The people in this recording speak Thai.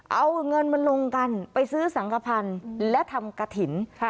เอาเงินมาลงกันไปซื้อสังขพันธ์และทำกระถิ่น